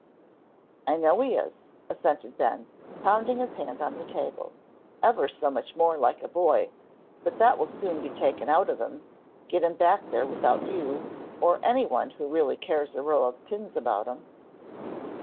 "I know he is," assented Ben, pounding his hand on the table, "ever so much more like a boy, but that will soon be taken out of him, get him back there without you, or any one who really cares a row of pins about him."